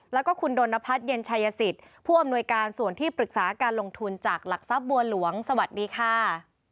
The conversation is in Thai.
แล้วก็คุณดนพัฒน์เย็นชายสิทธิ์ผู้อำนวยการส่วนที่ปรึกษาการลงทุนจากหลักทรัพย์บัวหลวงสวัสดีค่ะ